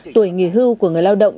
tuổi nghỉ hưu của người lao động